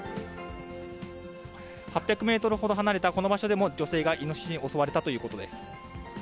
８００メートルほど離れたこの場所でも、女性がイノシシに襲われたということです。